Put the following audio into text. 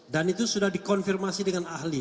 dan itu sudah dikonfirmasi dengan ahli